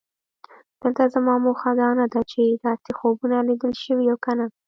دلته زما موخه دا نه ده چې داسې خوبونه لیدل شوي او که نه.